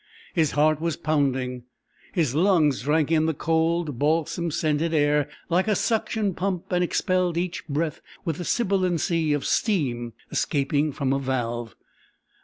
His heart was pounding. His lungs drank in the cold, balsam scented air like a suction pump and expelled each breath with the sibilancy of steam escaping from a valve.